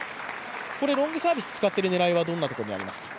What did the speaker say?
これ、ロングサービス使ってる狙いはどんなところにありますか？